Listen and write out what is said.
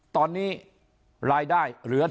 ตอนนี้รายได้เหลือ